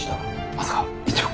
まさか１億？